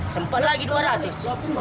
sempat lagi dua ratus